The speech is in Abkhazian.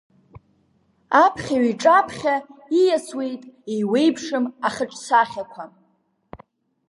Аԥхьаҩ иҿаԥхьа ииасуеит еиуеиԥшым ахаҿсахьақәа.